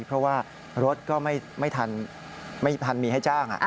เพราะว่ารถก็ไม่ทันมีให้จ้าง